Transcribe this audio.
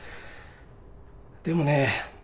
でもねえ